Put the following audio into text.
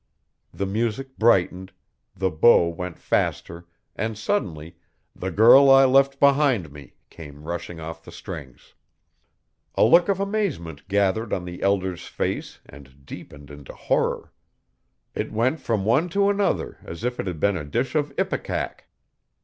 The music brightened, the bow went faster, and suddenly 'The Girl I Left Behind Me' came rushing off the strings. A look of amazement gathered on the elder's face and deepened into horror. It went from one to another as if it had been a dish of ipecac.